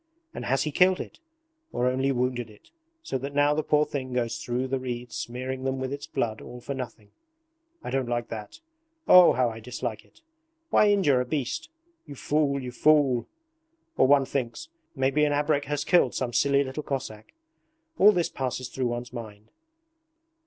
And has he killed it? Or only wounded it so that now the poor thing goes through the reeds smearing them with its blood all for nothing? I don't like that! Oh, how I dislike it! Why injure a beast? You fool, you fool! Or one thinks, "Maybe an abrek has killed some silly little Cossack." All this passes through one's mind.